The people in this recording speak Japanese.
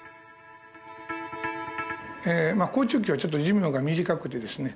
好中球はちょっと寿命が短くてですね